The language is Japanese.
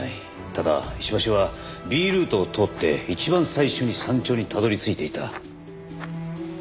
ただ石橋はＢルートを通って一番最初に山頂にたどり着いていた。